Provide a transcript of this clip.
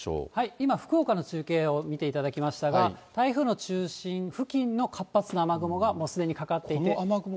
今、福岡の中継を見ていただきましたが、台風の中心付近の活発な雨雲はもうすでにかかっていて。